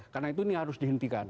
karena itu ini harus dihentikan